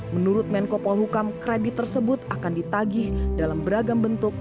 menurut menko polhukam kredit tersebut akan ditagih dalam beragam bentuk